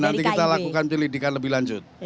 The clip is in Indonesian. nanti kita lakukan pilih dikan lebih lanjut